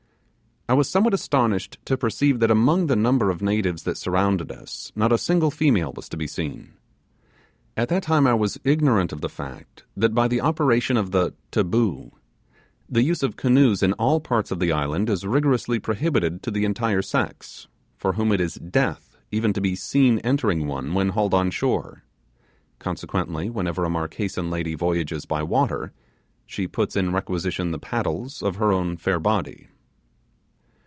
I was somewhat astonished to perceive that among the number of natives that surrounded us, not a single female was to be seen. At that time I was ignorant of the fact that by the operation of the 'taboo' the use of canoes in all parts of the island is rigorously prohibited to the entire sex, for whom it is death even to be seen entering one when hauled on shore; consequently, whenever a Marquesan lady voyages by water, she puts in requisition the paddles of her own fair body.